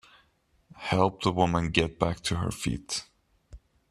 Help the woman get back to her feet.